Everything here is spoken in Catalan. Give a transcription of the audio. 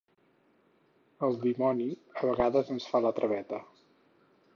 El dimoni, de vegades, ens fa la traveta.